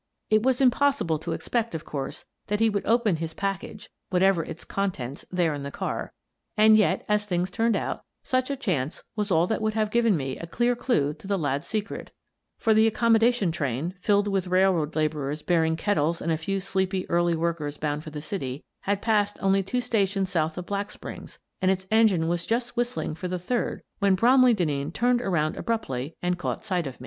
It was impossible to expect, of course, that he would open his pack age, whatever its contents, there in the car, and yet, as things turned out, such a chance was all that would have given me a clear clue to the lad's se cret; for the accommodation train, filled with rail road labourers bearing kettles and a few sleepy early workers bound for the city, had passed only two stations south of Black Springs, and its en gine was just whistling for the third when Bromley Denneen turned around abruptly and caught sight of me.